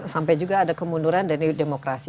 sampai juga ada kemunduran dan demokrasi